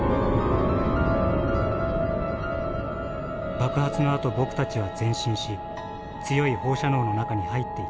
「爆発のあと僕たちは前進し強い放射能の中に入っていった。